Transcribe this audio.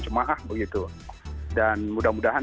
jemaah begitu dan mudah mudahan